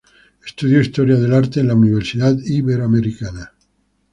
Estudió historia del arte en la Universidad Iberoamericana.